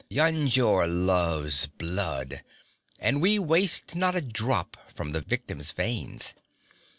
Yajur loves blood, and we waste not a drop from the victim's veins.